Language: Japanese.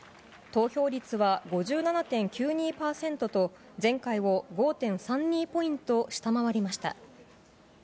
投票率は５７．９２％と、前回を５．３２ポイント下回りました。